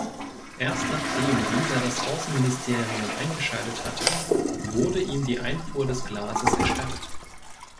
Erst nachdem dieser das Außenministerium eingeschaltet hatte, wurde ihm die Einfuhr des Glases gestattet.